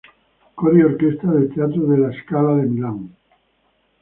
Coro y Orquesta del Teatro de La Scala de Milán.